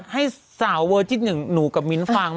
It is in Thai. ให้สาวเวอร์จิตหนึ่งหนูกับมิ้นฟังมา